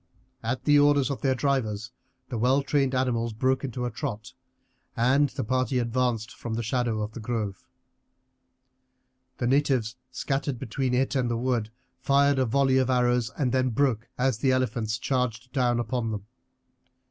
At the orders of their drivers the well trained animals broke into a trot, and the party advanced from the shadow of the grove. The natives scattered between it and the wood fired a volley of arrows and then broke as the elephants charged down upon them.